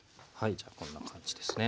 じゃあこんな感じですね。